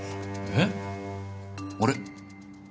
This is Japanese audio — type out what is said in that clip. えっ？あれ。